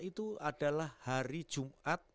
itu adalah hari jumat